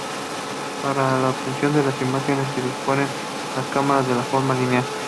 Para la obtención de las imágenes se disponen las cámaras de forma lineal.